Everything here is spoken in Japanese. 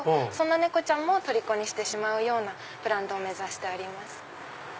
そんな猫もとりこにしてしまうブランドを目指しております。